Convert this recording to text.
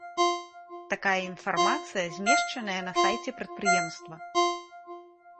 Такая інфармацыя змешчаная на сайце прадпрыемства.